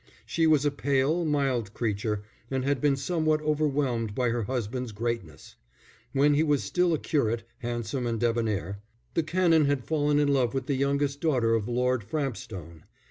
She was a pale, mild creature, and had been somewhat overwhelmed by her husband's greatness. When he was still a curate, handsome and debonair, the Canon had fallen in love with the youngest daughter of Lord Frampstone.